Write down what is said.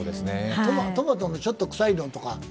トマトのちょっとくさいのとか。